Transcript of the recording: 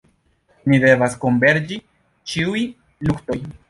Ni devas konverĝi ĉiuj luktoj.